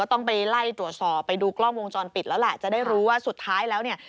ต้องไปไล่ตรวจสอบไปดูกล้องวงจรปิดแล้วแหละจะได้รู้ว่าสุดท้ายแล้วเนี่ย